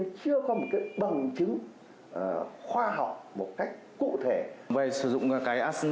nhưng chưa có một cái bằng chứng khoa học một cách cụ thể